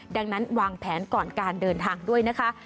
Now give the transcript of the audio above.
ดังนั้นวางแผนก่อนการเดินทางด้วยนะคะ